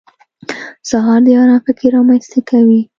سهار د ارام فکر رامنځته کوي.